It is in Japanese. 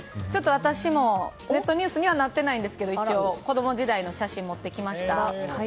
私もネットニュースにはなってないんですが一応子供時代の写真を持ってきました。